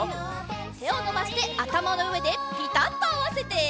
てをのばしてあたまのうえでピタッとあわせて。